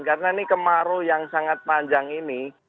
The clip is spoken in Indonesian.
karena ini kemaru yang sangat panjang ini